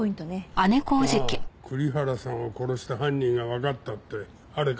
ああ栗原さんを殺した犯人がわかったってあれか。